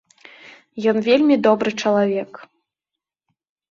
Ён вельмі добры чалавек.